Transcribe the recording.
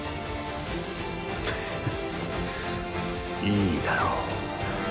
フッいいだろう。